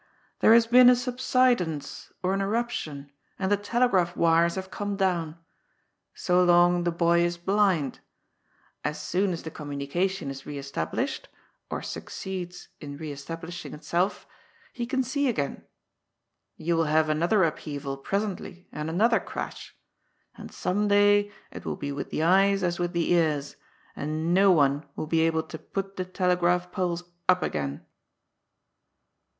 "^ There has been a sub sidence, or an eruption, and the telegraph wires haye come down. So long the boy is blind. As soon as the com munication is re established, or succeeds in re establishing itself, he can see again. You will haye another upheayal presently and another crash, and some day it will be with the eyes as with the ears, and no one will be able to put the telegraph poles up again."